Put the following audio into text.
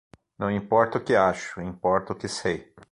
Não importa o que acho, importa o que sei